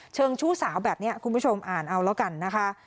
เชิงชู้สาวแบบนี้คุณผู้ชมอ่านเอาแล้วกันนะคะ